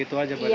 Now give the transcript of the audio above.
itu aja badannya